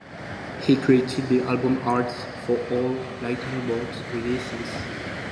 He created the album art for all Lightning Bolt releases.